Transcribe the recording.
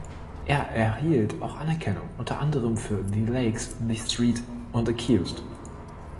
Er erhielt auch Anerkennung unter anderem für „The Lakes“, „The Street“ und „Accused“.